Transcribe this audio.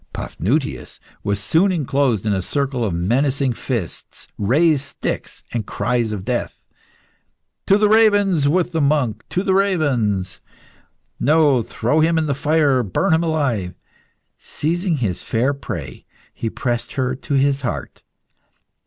Paphnutius was soon enclosed in a circle of menacing fists, raised sticks, and cries of death. "To the ravens with the monk! to the ravens!" "No; throw him in the fire! Burn him alive!" Seizing his fair prey, he pressed her to his heart.